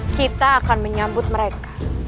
kita akan menyambut mereka